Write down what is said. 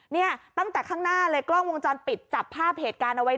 เนี่ยตั้งแต่ข้างหน้าเลยกล้องวงจรปิดจับภาพเหตุการณ์เอาไว้